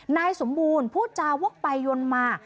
นายสมบูรณ์พูดจาวกไปวนมา